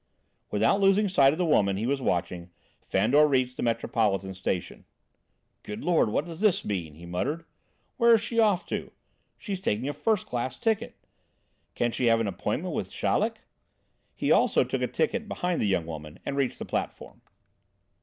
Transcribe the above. Without losing sight of the woman he was watching, Fandor reached the Metropolitan Station. "Good Lord! What does this mean?" he muttered. "Where is she off to? She's taking a first class ticket. Can she have an appointment with Chaleck?" He also took a ticket behind the young woman and reached the platform.